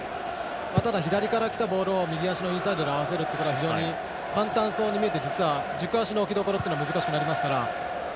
ただ、左からきたボールを右足のインサイドで合わせるのは非常に、簡単そうに見えて実は軸足の置きどころが難しくなりますから。